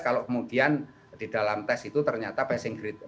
kalau kemudian di dalam tes itu ternyata passing grade